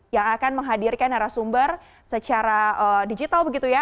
yang akan menghadirkan narasumber secara digital begitu ya